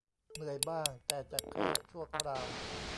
เหนื่อยบ้างแต่จะแค่ชั่วคราว